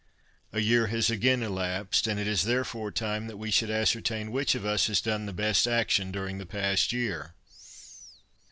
A year has again elapsed, and it is therefore time that we should ascertain which of us has done the best action during the past year.